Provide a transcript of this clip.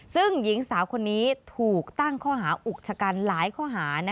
ซึ่งหญิงสาวคนนี้ถูกตั้งข้อหาอุกชะกันหลายข้อหา